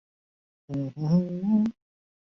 透明杂志是来自台湾台北的独立乐团。